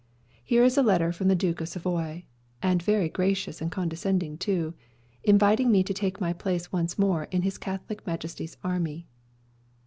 Here is a letter from the Duke of Savoy (and very gracious and condescending too), inviting me to take my place once more in His Catholic Majesty's army."